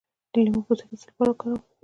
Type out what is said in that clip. د لیمو پوستکی د څه لپاره وکاروم؟